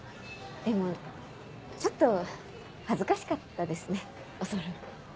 でもちょっと恥ずかしかったですねおそろい。